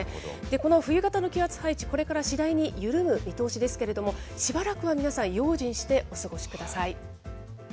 この冬型の気圧配置、これから次第に緩む見通しですけれども、しばらくは皆さん、用心してお過ごしください。